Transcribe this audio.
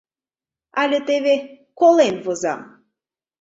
Але теве колен возам...